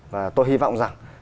và tôi hy vọng rằng